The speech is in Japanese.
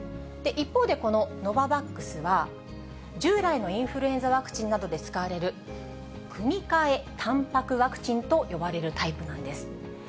一方でこのノババックスは、従来のインフルエンザワクチンなどで使われる組み換えたんぱくワクチンと呼ばれるタイプなんです。